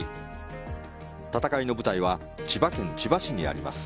戦いの舞台は千葉県千葉市にあります